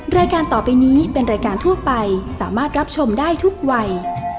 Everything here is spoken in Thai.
รายการต่อไปนี้เป็นรายการทั่วไปสามารถรับชมได้ทุกวัย